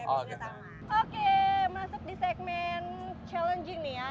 oke masuk di segmen challenging nih ya